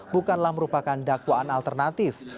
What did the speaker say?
bukanlah merupakan dakwaan alternatif